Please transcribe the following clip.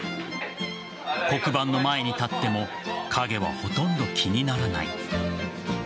黒板の前に立っても影はほとんど気にならない。